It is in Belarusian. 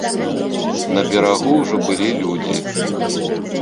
На берагу ўжо былі людзі.